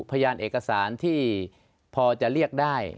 พยานเอกสารที่พอจะเรียกได้